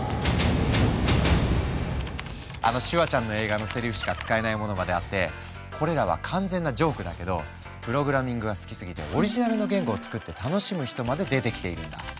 あのシュワちゃんの映画のセリフしか使えないものまであってこれらは完全なジョークだけどプログラミングが好きすぎてオリジナルの言語を作って楽しむ人まで出てきているんだ。